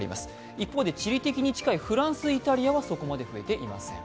一方で地理的に近いフランス、イタリアはそこまで増えていません。